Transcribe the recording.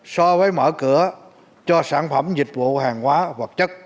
so với mở cửa cho sản phẩm dịch vụ hàng hóa vật chất